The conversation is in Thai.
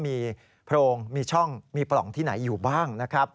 มีโพรงมีช่องมีปล่องที่ไหนอยู่บ้างนะครับ